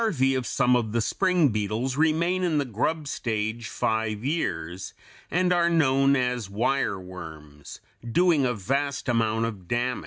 ] The larvæ of some of the spring beetles remain in the "grub" stage five years, and are known as wire worms, doing a vast amount of damage.